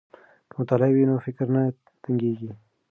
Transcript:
که مطالعه وي نو فکر نه تنګیږي.